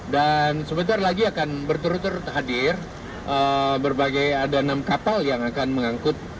dan sebentar lagi akan berturut turut hadir berbagai ada enam kapal yang akan mengangkut